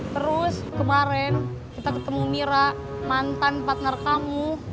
terus kemarin kita ketemu mira mantan partner kamu